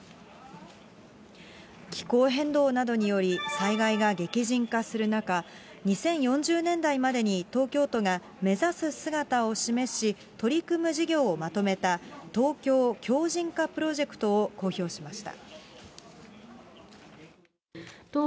気候変動などにより、災害が激甚化する中、２０４０年代までに東京都が目指す姿を示し、取り組む事業をまとめた、ＴＯＫＹＯ強靭化プロジェクトを公表しました。